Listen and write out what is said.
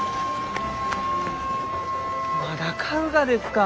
まだ買うがですか？